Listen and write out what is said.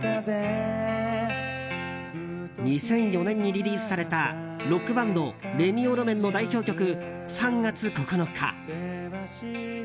２００４年にリリースされたロックバンドレミオロメンの代表曲「３月９日」。